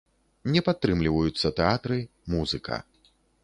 Не падтрымліваюцца тэатры, музыка.